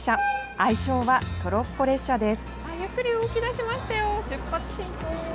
愛称は、トロッコ列車です。